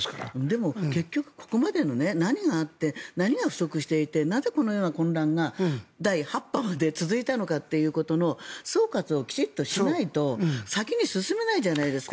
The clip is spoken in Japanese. でも、結局ここまで何があって何が不足していてなぜこのような混乱が第８波まで続いたのかということの総括をきちんとしないと先に進めないじゃないですか。